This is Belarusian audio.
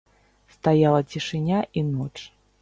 Стаяла цішыня і ноч.